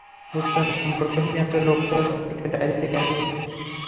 নিতান্ত সম্পর্কহীন একটা লোক তাঁর সম্পর্কে ডাইরিতে কেন লিখবে?